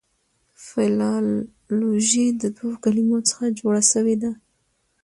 فلالوژي د دوو کلمو څخه جوړه سوې ده.